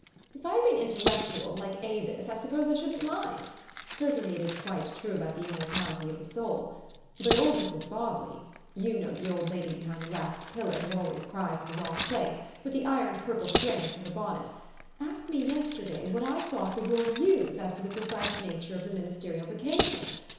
If I'd been intellectual, like Avis, I suppose I shouldn't mind. Certainly it is quite true about the immortality of the soul. But old Mrs. Bobley you know the old lady behind the last pillar, who always cries in the wrong place, with the ironed purple strings to her bonnet asked me yes terday what I thought were jour views as to the precise nature of the ministerial vocation.